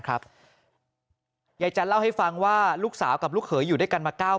ยายจันทร์เล่าให้ฟังว่าลูกสาวกับลูกเขยอยู่ด้วยกันมา๙๐